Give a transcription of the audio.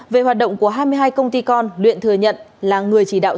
về hoạt động của hai mươi hai công ty con luyện thừa nhận là người chỉ đạo